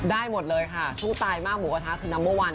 ได้หมดเลยค่ะสู้ตายมากหมูกระทะคือนัมเบอร์วัน